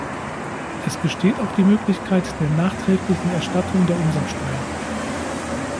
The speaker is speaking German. Es besteht auch die Möglichkeit der nachträglichen Erstattung der Umsatzsteuer.